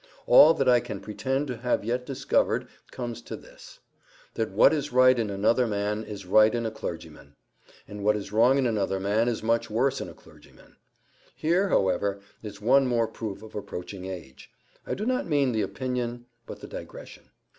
All that I can pretend to have yet discovered comes to this: that what is right in another man is right in a clergyman; and what is wrong in another man is much worse in a clergyman. Here, however, is one more proof of approaching age. I do not mean the opinion, but the digression.